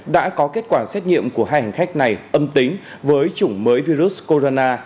đã có kết quả xét nghiệm của hai hành khách này âm tính với chủng mới virus corona